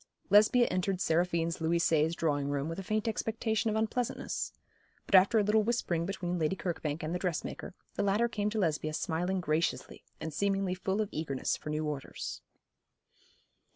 Lesbia entered Seraphine's Louis seize drawing room with a faint expectation of unpleasantness; but after a little whispering between Lady Kirkbank and the dressmaker, the latter came to Lesbia smiling graciously, and seemingly full of eagerness for new orders.